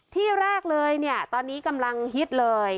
ที่แรกเลยเนี่ยตอนนี้กำลังฮิตเลย